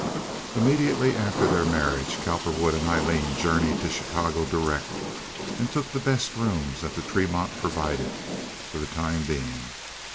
Immediately after their marriage Cowperwood and Aileen journeyed to Chicago direct, and took the best rooms that the Tremont provided, for the time being.